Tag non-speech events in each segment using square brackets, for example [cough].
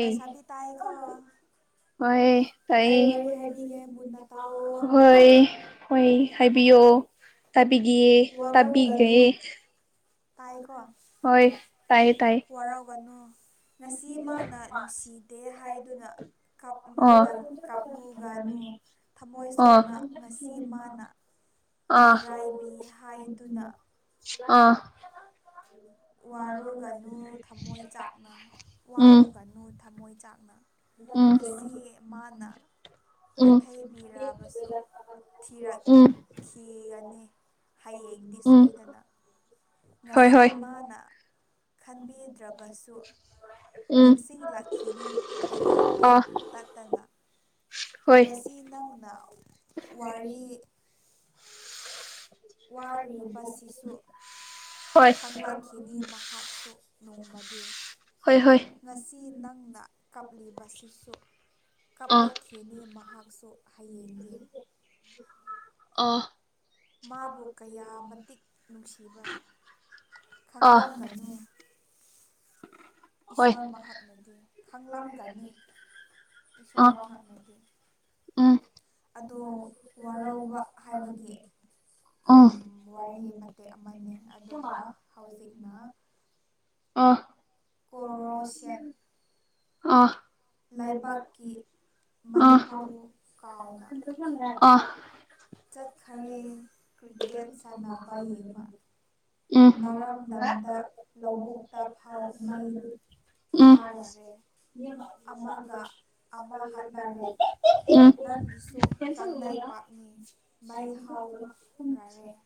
ꯂꯩꯁꯥꯕꯤ ꯇꯥꯏꯀ‌ꯣ ꯍꯣꯏ ꯇꯥꯏꯌ‌ꯦ ꯍꯣꯏ ꯍꯣꯏ ꯍꯥꯏꯕꯤꯌꯣ ꯇꯥꯕꯤꯒꯤꯌꯦ ꯇꯥꯕꯤꯒꯦ ꯇꯥꯏꯀꯣ ꯍꯣꯏ ꯇꯥꯏꯌꯦ ꯇꯥꯏꯌꯦ ꯀꯅꯣ ꯉꯁꯤ ꯃꯥꯅ ꯅꯨꯡꯁꯤꯗꯦ ꯍꯥꯏꯗꯨꯅ ꯀꯥꯞꯂꯨꯂ ꯀꯥꯞꯂꯨꯒꯅꯨ ꯊꯃꯣꯏ ꯁꯣꯛꯅ ꯉꯁꯤ ꯃꯥꯅ ꯃꯤꯔꯥꯏꯕꯤ ꯍꯥꯏꯗꯨꯅ ꯑꯥ ꯋꯥꯔꯨꯒꯅꯨ ꯊꯃꯣꯏ ꯆꯥꯛꯅ ꯋꯥꯔꯨꯒꯅꯨ ꯊꯃꯣꯏ ꯆꯥꯛꯅ ꯉꯁꯤ ꯃꯥꯅ ꯅꯥꯊꯩꯕꯤꯔꯕꯁꯨ ꯊꯤꯔꯛ ꯈꯤꯒꯅꯤ ꯍꯌꯦꯡꯗꯤ ꯁꯣꯏꯗꯅ ꯉꯁꯤ ꯃꯥ ꯅ ꯈꯟꯕꯤꯗ꯭ꯔꯕꯁꯨ ꯅꯤꯡꯁꯤꯡꯂꯛꯈꯤꯅꯤ ꯍꯌꯦꯡꯗꯤ ꯇꯠꯇꯅ ꯉꯁꯤ ꯅꯪꯅ ꯋꯥꯔꯤ ꯋꯥꯔꯤꯕꯁꯤꯁꯨ ꯈꯪꯂꯛꯈꯤꯅꯤ ꯃꯍꯥꯛ ꯇꯣ ꯅꯣꯡꯃꯗꯤ ꯉꯁꯤ ꯅꯪꯅ ꯀꯞꯂꯤꯕꯁꯤꯁꯨ ꯀꯞꯂꯛꯈꯤꯅꯤ ꯃꯍꯥꯛꯁꯨ ꯍꯌꯦꯡꯗꯤ ꯑꯣ ꯃꯥꯕꯨ ꯀꯌꯥ ꯃꯇꯤꯛ ꯅꯨꯡꯁꯤꯕ ꯈꯪꯂꯝꯒꯅꯨ ꯏꯁꯣꯔ ꯃꯍꯥꯛꯅꯗꯤ ꯈꯪꯂꯝꯒꯅꯤ ꯏꯁꯣꯔ ꯃꯍꯥꯛꯅꯗꯤ ꯎꯝ ꯑꯗꯣ ꯋꯥꯔꯧꯕ ꯍꯥꯏꯕꯒꯤ ꯎꯝ ꯋꯥꯔꯤ ꯃꯇꯦꯛ ꯑꯃꯅꯦ ꯑꯗꯨꯒ ꯍꯧꯖꯤꯛꯅ ꯑ ꯑ ꯑ ꯑ ꯆꯠꯈꯔꯦ ꯀ꯭ꯔꯤꯀꯦꯠ ꯁꯥꯟꯅꯕ ꯌꯦꯡꯕ ꯎꯝ [unintelligible] ꯎꯝ [unintelligible] ꯎꯝ [unintelligible]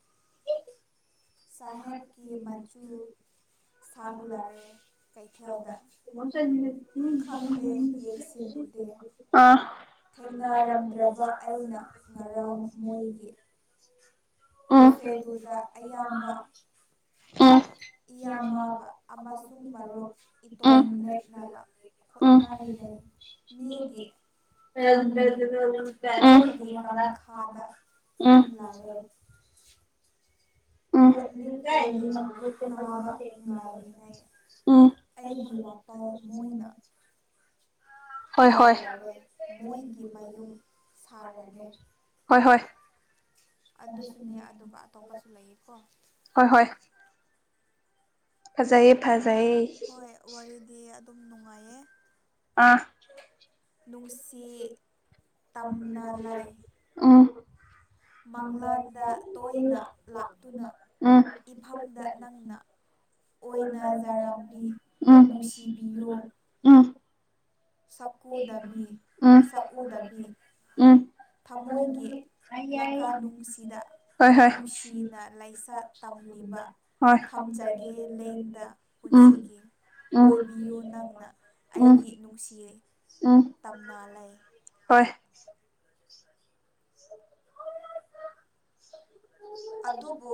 ꯁꯥꯍꯦꯕꯀꯤ ꯃꯆꯨ [unintelligible] ꯑ [unintelligible] [inaudible] ꯀꯦꯐꯦꯗꯨꯗ ꯑꯌꯥꯝꯕ ꯏꯌꯥꯝꯃꯕ ꯑꯃꯁꯨꯡ ꯃꯔꯨꯞ ꯏꯇꯣꯝ ꯂꯦꯞꯅꯕ ꯍꯣꯠꯅꯔꯤꯉꯩ ꯃꯤꯒꯤ ꯈꯪꯉꯤ ꯃꯤꯒꯤ ꯀꯪꯈꯥꯗ ꯄꯨꯝꯂꯔꯦ ꯎꯝ ꯎꯝ ꯍꯣꯏ ꯍꯣꯏ ꯍꯣꯏ ꯍꯣꯏ ꯑꯗꯨꯁꯨꯅꯦ ꯑꯗꯨꯒ ꯑꯇꯣꯞꯄꯁꯨ ꯂꯩꯌꯦꯀꯣ ꯍꯣꯏ ꯍꯣꯏ ꯐꯖꯩꯌ‌ꯦ ꯐꯖꯩ ꯍꯣꯏ ꯋꯥꯔꯤꯗꯤ ꯑꯗꯨꯝ ꯅꯨꯡꯉꯥꯏꯌꯦ ꯑ ꯅꯨꯡꯁꯤ ꯇꯝꯅ ꯂꯥꯏ ꯑꯣ ꯃꯪꯂꯥꯟꯗ ꯇꯣꯏꯅ ꯂꯥꯛꯇꯨꯅ ꯏꯐꯝꯗ ꯅꯪꯅ [inaudible] ꯎꯝ ꯎꯝ ꯎꯝ ꯎꯝ ꯍ‌ꯣꯏ ꯍ‌ꯣꯏ ꯍꯣꯏ ꯎꯝ ꯎꯝ ꯎꯝ ꯁꯤꯌꯦ ꯇꯝꯅ ꯂꯩ ꯍꯣꯏ ꯑꯗꯨꯕꯨ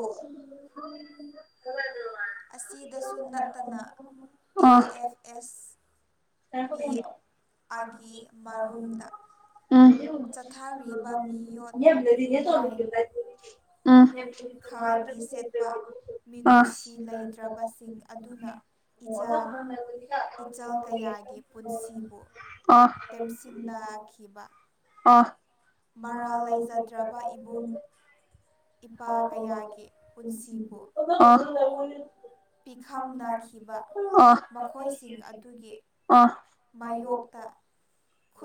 [unintelligible] [unintelligible] ꯑ ꯎꯝ [unintelligible] ꯎꯝ [unintelligible] ꯑ ꯑꯣ [unintelligible] ꯑ ꯑ [unintelligible] ꯃꯔꯥꯜ ꯂꯩꯖꯗ꯭ꯔꯕ ꯏꯕꯨꯡ [unintelligible] ꯑ [unintelligible] ꯑ ꯑ ꯃꯥꯏ ꯌꯣꯛꯄꯣ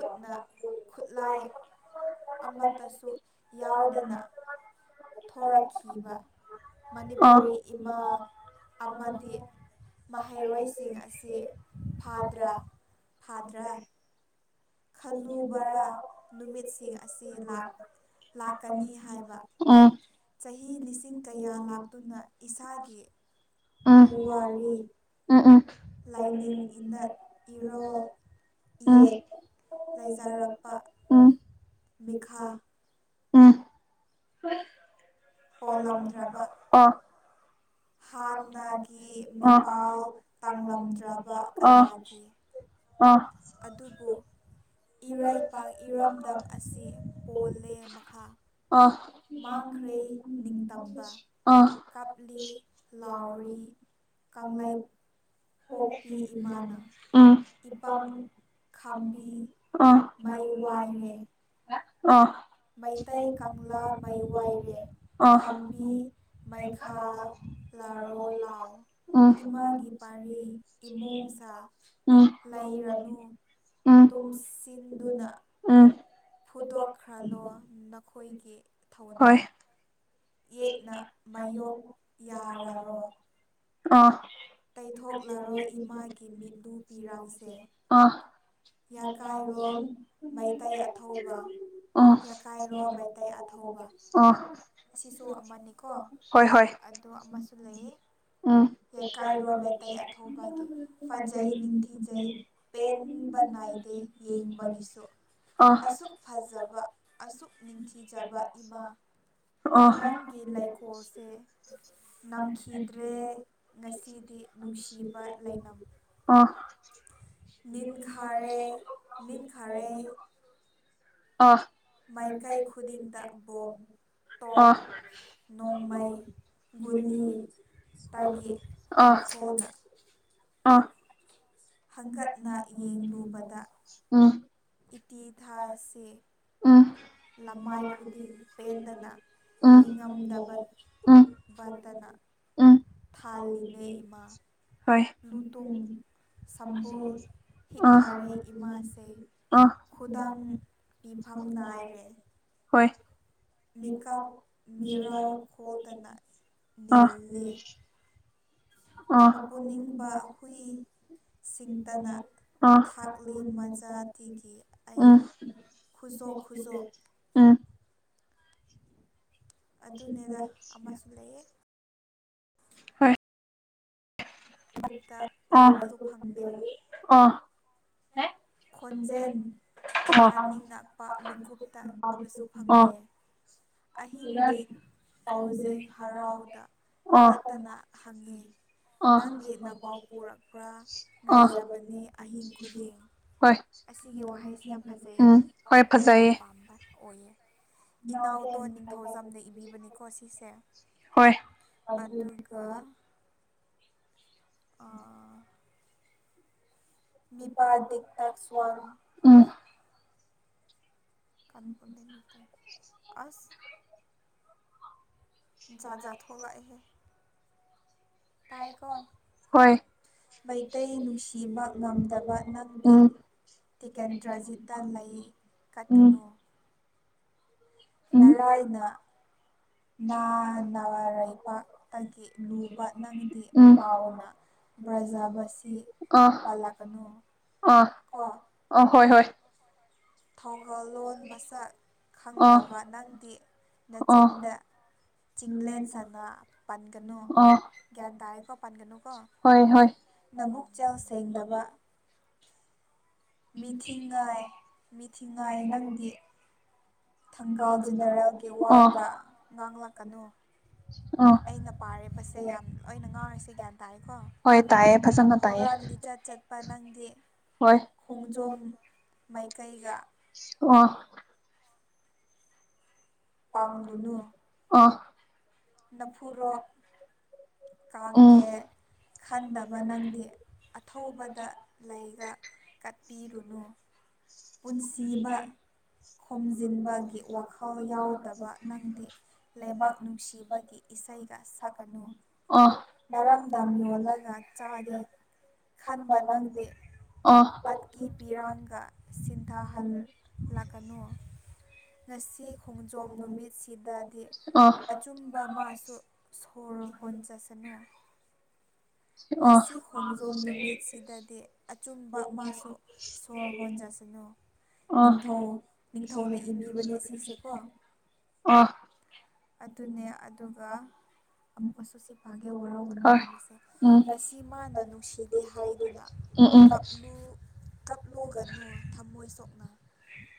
[unintelligible] ꯌꯥꯎꯗ [unintelligible] ꯊꯣꯔꯛꯈꯤꯕ ꯃꯅꯤꯄꯨꯔꯤ ꯏꯃꯥ ꯑꯃꯗꯤ ꯃꯍꯩꯔꯣꯏꯁꯤꯡ ꯑꯁꯤ ꯐꯥꯗ꯭ꯔꯥ ꯐꯥꯗ꯭ꯔꯥ ꯈꯜꯂꯨꯕꯔꯥ ꯅꯨꯃꯤꯠꯁꯤꯡ ꯑꯁꯤ ꯂꯥꯛ ꯂꯥꯛꯀꯅꯤ ꯍꯥꯏꯕ ꯑ ꯆꯍꯤ ꯂꯤꯁꯤꯡ ꯀꯌꯥ ꯂꯥꯛꯇꯨꯅ ꯏꯁꯥꯒꯤ ꯑ ꯎꯝ ꯎꯝ [unintelligible] ꯎꯝ ꯂꯩꯖꯔꯛꯄ ꯃꯤꯈꯥ [unintelligible] ꯑ ꯑ [unintelligible] ꯑ ꯑ ꯑꯗꯨꯕꯨ ꯏꯔꯩꯄꯥꯛ ꯏꯔꯝꯗꯝ ꯑꯁꯤ ꯄꯣꯜꯂꯦ ꯃꯈꯥ ꯑ ꯃꯥꯡꯈ꯭ꯔꯦ ꯅꯤꯡꯇꯝꯕ ꯀꯥꯞꯂꯤ ꯂꯥꯎꯔꯤ ꯀꯪꯂ‌ꯩ [unintelligible] ꯎꯝ ꯑ [unintelligible] ꯑ ꯃꯩꯇꯩ ꯀꯪꯂꯥ ꯃꯩ ꯋꯥꯏꯔꯦ ꯈꯝꯕꯤ ꯃꯩꯈꯥꯜ ꯂꯔꯣ ꯂꯥꯎ ꯎꯝ [unintelligible] ꯎꯝ ꯎꯝ [unintelligible] ꯎꯝ [unintelligible] ꯍꯣꯏ ꯌꯦꯛꯅ ꯃꯌꯣꯛ ꯌꯥꯔꯔꯣ ꯑ ꯇꯩꯊꯣꯛꯂꯔꯣ ꯏꯃꯥꯒꯤ ꯃꯤꯠꯂꯨ ꯄꯤꯔꯥꯡꯁꯦ ꯑ [unintelligible] ꯑ ꯑ ꯁꯤꯁꯨ ꯑꯃꯅꯤꯀꯣ ꯑꯗꯣ ꯑꯃꯁꯨ ꯂꯩꯌꯦ ꯌꯩꯀꯥꯏꯔꯣ ꯃꯩꯇꯩ ꯑꯊꯧꯕꯒꯤ ꯐꯖꯩ ꯅꯤꯡꯊꯤꯖꯩ ꯄꯦꯟꯕ ꯅꯥꯏꯗꯦ ꯌꯦꯡꯕꯒꯤꯁꯨ ꯑꯁꯨꯛ ꯐꯖꯕ ꯑꯁꯨꯛ ꯅꯤꯡꯊꯤꯖꯕ ꯏꯃꯥ ꯅꯪꯒꯤ ꯂꯩꯀꯣꯜꯁꯦ ꯅꯝꯈꯤꯗ꯭ꯔꯦ ꯉꯁꯤꯗꯤ ꯅꯨꯡꯁꯤꯕ ꯂꯩꯅꯝ ꯑꯣ ꯅꯤꯟꯈꯔꯦ ꯅꯤꯟꯈꯔꯦ ꯑ‌ꯣ ꯃꯥꯏꯀꯩ ꯈꯨꯗꯤꯡꯗ ꯕꯣꯝ ꯑ‌ꯣ ꯑ ꯑ ꯍꯟꯒꯠꯅ ꯌꯦꯡꯂꯨꯕꯗ ꯏꯇꯤꯊꯥꯁꯦ ꯎꯝ ꯎꯝ ꯎꯝ ꯎꯝ ꯍꯣꯏ ꯁꯝꯕꯣꯔ ꯍꯤꯛ ꯊꯥꯔꯦ ꯏꯃꯥꯁꯦ ꯈꯨꯗꯥꯡ ꯄꯤꯐꯝ ꯅꯥꯏꯔꯦ ꯍꯣꯏ ꯃꯤꯀꯞ ꯃꯤꯔꯥꯎꯈꯣꯜꯇꯅ ꯑ ꯑ ꯑ ꯎꯝ ꯈꯨꯖꯣ ꯈꯨꯖꯣ ꯎꯝ ꯑꯗꯨꯅꯦꯗ ꯑꯃꯁꯨ ꯂꯩꯌꯦ ꯍ‍ꯣꯏ ꯑ ꯑ ꯈꯣꯟꯖꯦꯟ ꯇꯥꯅꯤꯡꯉꯛꯄ ꯃꯤꯀꯨꯞꯇ ꯇꯥꯕꯁꯨ ꯐꯪꯗꯦ ꯑꯍꯤꯡꯒꯤ ꯀꯥꯎꯖꯦꯡ ꯍꯔꯥꯎꯗ ꯇꯠꯇꯅ ꯍꯪꯉꯤ ꯅꯪꯒꯤ ꯒꯤꯅꯄꯥꯎ ꯄꯨꯔꯛꯄ꯭ꯔꯥ ꯉꯥꯏꯖꯕꯅꯤ ꯑꯍꯤꯡ ꯈꯨꯗꯤꯡ ꯑꯁꯤꯒꯤ ꯋꯥꯍꯩꯁꯤ ꯌꯥꯝ ꯐꯖꯩꯌꯦ ꯑꯩ ꯌꯥꯝ ꯄꯥꯝꯕ ꯑꯣꯏꯌꯦ ꯏꯅꯥꯎ ꯇꯣ ꯅꯤꯡꯊꯧꯖꯝꯅ ꯏꯕꯤꯕꯅꯦꯀꯣ ꯁꯤꯁꯦ ꯑꯗꯨꯒ ꯑꯥ ꯎꯝ ꯀꯥꯟꯄ ꯂꯩꯔꯨꯗ‌ꯦ ꯑꯁ ꯖꯥꯠꯖꯥ ꯊꯣꯛꯂꯛꯑꯦꯍꯦ ꯇꯥꯏꯀꯣ ꯍꯣꯏ ꯃꯩꯇꯩ ꯅꯨꯡꯁꯤꯕ ꯉꯝꯗꯕ ꯅꯪꯗꯤ ꯇꯤꯀꯦꯟꯗ꯭ꯔꯖꯤꯠꯇ ꯂꯩ ꯈꯠꯀꯅꯨ ꯅꯔꯥꯏꯅ ꯅꯅꯥꯔꯕꯥꯛꯇꯒꯤ ꯂꯨꯕ ꯅꯪꯗꯤ ꯄꯥꯎꯅ ꯕ꯭ꯔꯖꯥꯕꯁꯤ ꯄꯥꯜꯂꯛꯀꯅꯨ ꯀꯣ ꯑ ꯍꯣꯏ ꯍꯣꯏ ꯊꯧꯒꯜꯂꯣꯟ ꯃꯁꯛ ꯈꯪꯗꯕ ꯅꯪꯗꯤ ꯅꯆꯤꯟꯗ ꯆꯤꯡꯂꯦꯟ ꯁꯥꯅ ꯄꯟꯒꯅꯨ ꯒ꯭ꯌꯥꯟ ꯇꯥꯔꯦꯀꯣ ꯄꯥꯟꯒꯅꯨꯀꯣ ꯅꯕꯨꯛꯆꯦꯜ ꯁꯦꯡꯗꯕ ꯃꯤꯊꯤꯡꯉꯥꯏ ꯃꯤꯊꯤꯉꯥꯏ ꯅꯪꯗꯤ ꯊꯪꯒꯥꯜ ꯖꯦꯅꯦꯔꯦꯜꯒꯤ ꯋꯥꯒ ꯉꯥꯡꯂꯛꯀꯅꯨ ꯑꯩꯅ ꯄꯥꯔꯤꯕꯁꯦ ꯌꯥꯝ ꯑꯩꯅ ꯉꯥꯡꯔꯤꯁꯦ ꯒ꯭ꯌꯥꯟ ꯇꯥꯏꯀꯣ ꯍꯣꯏ ꯇꯥꯏꯌꯦ ꯐꯖꯅ ꯇꯥꯏꯌꯦ ꯄꯅꯪꯗꯤ ꯍꯣꯏ ꯑꯣ ꯑꯥ ꯅꯥꯐꯨꯔꯣꯛ ꯀꯥꯡꯒꯦ ꯈꯟꯗꯕ ꯅꯪꯗꯤ ꯑꯊꯧꯕꯗ ꯂꯩꯒ ꯀꯠꯄꯤꯔꯨꯅ‌ꯨ ꯄꯨꯟꯁꯤꯕ ꯈꯣꯝꯖꯤꯟꯕꯒꯤ ꯋꯥꯈꯜ ꯌꯥꯎ ꯇꯕ ꯅꯪꯗꯤ ꯂꯩꯕꯥꯛ ꯅꯨꯡꯁꯤꯕꯒꯤ ꯏꯁꯩꯒ ꯁꯛꯀꯥꯅ‌ꯨ ꯅꯔꯝꯗꯝ ꯌꯣꯜꯂꯒ ꯆꯥꯒꯦ ꯈꯟꯕ ꯅꯪꯗꯤ ꯇꯠꯀꯤ ꯄꯤꯔꯥꯡꯒ ꯁꯤꯟꯊꯍꯜꯂꯛꯀꯥꯅ‌ꯨ ꯉꯁꯤ ꯈꯣꯡꯖꯣꯝ ꯅꯨꯃꯤꯠꯁꯤꯗꯗꯤ ꯑꯠ ꯆꯨꯝꯕ ꯃꯥꯁꯨ ꯁꯣꯔ ꯍꯣꯟꯖꯥꯁꯅ‌ꯨ ꯉꯁꯤ ꯈꯣꯡꯖꯣꯝ ꯅꯨꯃꯤꯠꯁꯤꯗꯗꯤ ꯑꯆꯨꯝꯕ ꯃꯥꯁꯨ ꯁꯣꯔ ꯍꯣꯟꯖꯥꯁꯅꯨ ꯅꯤꯡꯊꯧ ꯅꯤꯡꯊꯧꯅ ꯏꯕꯤꯕꯅꯦ ꯁꯤꯁꯦꯀꯣ ꯑꯗꯨꯅꯦ ꯑꯗꯨꯒ ꯑꯃꯨꯛꯀꯥꯁꯨ ꯁꯤ ꯄꯥꯒꯦ ꯋꯥꯔꯧꯒꯅꯨ ꯍꯥꯏꯕꯁꯦ ꯉꯁꯤ ꯃꯥꯅ ꯅꯨꯡꯁꯤꯗꯦ ꯍꯥꯏꯗꯨꯅ ꯀꯞꯂꯨ ꯀꯞꯂꯨꯒꯅꯨ ꯊꯃꯣꯏ ꯁꯣꯛꯅ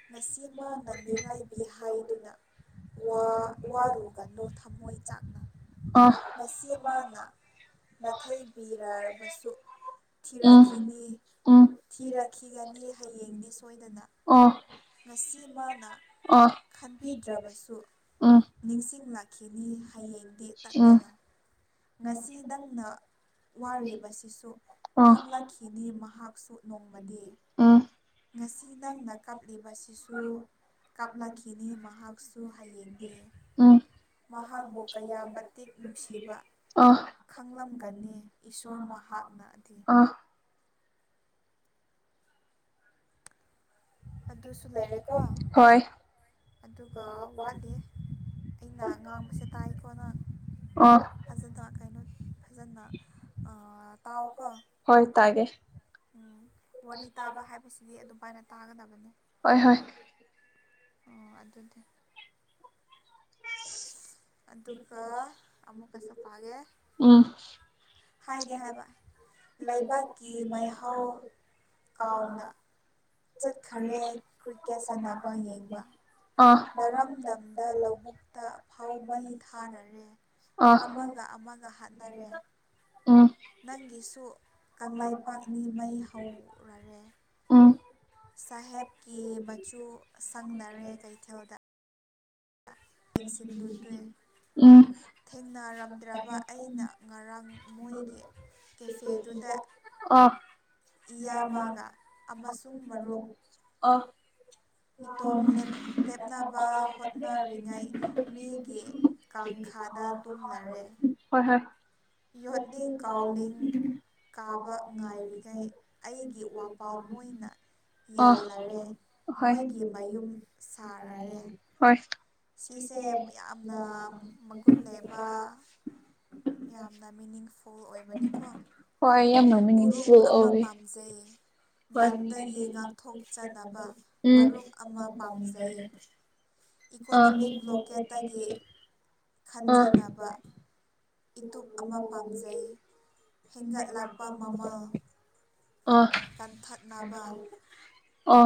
ꯉꯁꯤ ꯃꯥꯅ ꯃꯤꯔꯥꯏꯕꯤ ꯍꯥꯏꯗꯨꯅ ꯋꯥ ꯋꯥꯔꯨꯒꯅꯨ ꯊꯃꯣꯏ ꯆꯥꯛꯅ ꯉꯁꯤ ꯃꯥꯅ ꯅꯥꯊꯩꯕꯤꯔꯕꯁꯨ ꯊꯤꯔꯛꯈꯤꯅꯤ ꯊꯤꯔꯛꯈꯤꯒꯅꯤ ꯍꯌꯦꯡꯗꯤ ꯁꯣꯏꯗꯅ ꯉꯁꯤ ꯃꯥꯅ ꯑꯣ ꯈꯟꯕꯤꯗ꯭ꯔꯥꯕꯁꯨ ꯅꯤꯡꯁꯤꯡꯂꯛꯈꯤꯅꯤ ꯍꯌꯦꯡꯗꯤ ꯇꯠꯇꯅ ꯉꯁꯤ ꯗꯪꯅ ꯋꯥꯔꯤꯕꯁꯤꯁꯨ ꯈꯪꯂꯛꯈꯤꯅꯤ ꯃꯍꯥꯛꯁꯨ ꯅꯣꯡꯃꯗꯤ ꯉꯁꯤ ꯅꯪꯅ ꯀꯞꯂꯤꯕꯁꯤꯁꯨ ꯀꯥꯞꯂꯛꯈꯤꯅꯤ ꯃꯍꯥꯛꯁꯨ ꯍꯌꯦꯡꯗꯤ ꯃꯍꯥꯛꯕꯨ ꯀꯌꯥ ꯃꯇꯤꯛ ꯅꯨꯡꯁꯤꯕ ꯑꯥ ꯈꯪꯂꯝꯒꯅꯤ ꯏꯁꯣꯔ ꯃꯍꯥꯛꯅꯗꯤ ꯑꯗꯨꯁꯨ ꯂꯩꯔꯦꯀꯣ ꯑꯗꯨꯒ ꯋꯥꯠꯂꯤ ꯑꯩꯅ ꯉꯥꯡꯕꯁꯦ ꯇꯥꯏꯀꯣ ꯅꯪ ꯐꯖꯅ ꯀꯩꯅꯣ ꯐꯖꯅ ꯑꯥ ꯇꯥꯎꯀꯣ ꯍꯣꯏ ꯇꯥꯒꯦ ꯎꯝ ꯋꯥꯔꯤ ꯇꯥꯕ ꯍꯥꯏꯕꯁꯤꯗꯤ ꯑꯗꯨꯃꯥꯏꯅ ꯇꯥꯒꯗꯕꯅꯤ ꯍꯣꯏ ꯍꯣꯏ ꯑꯣ ꯑꯗꯨꯗꯤ ꯑꯗꯨꯒ ꯑꯃꯨꯛꯀꯥꯁꯨ ꯄꯥꯒꯦ ꯎꯝ ꯍꯥꯏꯒꯦ ꯍꯥꯏꯕ ꯂꯩꯕꯛꯀꯤ ꯃꯩꯍꯧ ꯀꯥꯎꯅ ꯆꯠꯈꯔꯦ ꯀ꯭ꯔꯤꯛꯀꯦꯠ ꯁꯥꯟꯅꯕ ꯌꯦꯡꯕ ꯅꯔꯝꯗꯝꯗ ꯂꯧꯕꯨꯛꯇ ꯐꯥꯎ ꯃꯩ ꯊꯥꯔꯔꯦ ꯑꯃꯒ ꯑꯃꯒ ꯍꯥꯠꯅꯔꯦ ꯎꯝ ꯅꯪꯒꯤꯁꯨ ꯀꯪꯂꯩꯄꯥꯛꯅꯤ ꯃꯩ ꯍꯧꯔꯔꯦ ꯁꯥꯏꯍꯦꯞꯀꯤ ꯃꯆꯨ ꯁꯪꯂꯔꯦ ꯀꯩꯊꯦꯜꯗ ꯑ ꯏꯁꯤꯟꯂꯨꯗ꯭ꯔꯦ ꯎꯝ ꯊꯦꯡꯅꯔꯝꯗ꯭ꯔꯕ ꯑꯩꯅ ꯉꯔꯥꯡ ꯃꯣꯏꯒꯤ ꯀꯦꯐꯦꯗꯨꯗ ꯏꯌꯥꯃꯒ ꯑꯃꯁꯨꯡ ꯃꯔꯨꯞ ꯑꯣ [unintelligible] [unintelligible] ꯍꯣꯏ ꯍꯣꯏ ꯌꯣꯠꯂꯤꯡ ꯀꯥꯎꯂꯤꯡ ꯀꯥꯕ ꯉꯥꯏꯔꯤꯒꯩ ꯑꯩꯒꯤ ꯋꯥꯄꯥ ꯃꯣꯏꯅ ꯌꯥꯜꯂꯔꯦ ꯃꯣꯏꯒꯤ ꯃꯌꯨꯝ ꯁꯥꯔꯔꯦ ꯑꯁ ꯁꯤꯁꯦ ꯌꯥꯝꯅ ꯃꯒꯨꯟ ꯂꯩꯕ ꯌꯥꯝꯅ ꯃꯤꯅꯤꯡꯐꯨꯜ ꯑꯣꯏꯕꯅꯤꯀꯣ ꯎꯔꯨꯝ ꯑꯃ ꯄꯥꯝꯖꯩ ꯕꯟꯗꯒꯤ ꯉꯥꯛꯊꯣꯛꯆꯅꯕ ꯃꯔꯨꯞ ꯑꯃ ꯄꯥꯝꯖꯩ ꯏꯀꯣꯅꯣꯃꯤꯛ ꯕ꯭ꯂꯣꯛꯀꯦꯠꯇꯒꯤ ꯈꯟꯖꯅꯕ ꯏꯇꯨꯞ ꯑꯃ ꯄꯥꯝꯖꯩ ꯍꯦꯟꯒꯠꯂꯛꯄ ꯃꯃꯜ ꯑꯥ ꯑꯣ